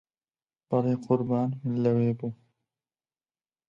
بەڵێ قوربان من لەوێ بووم!